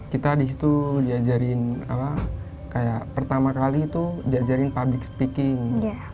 kita di situ diajarin pertama kali itu diajarin public speaking